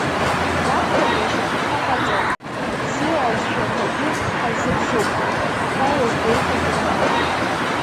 Раԥхьатәи ашьаҿақәа ҟаҵоуп, ибзиоу алҵшәақәагьы ҳарзыԥшуп, ҳәа иазгәеиҭеит иара.